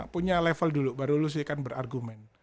punya level dulu baru lu sih kan berargumen